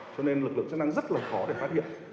cho nên lực lượng chức năng rất là khó để phát hiện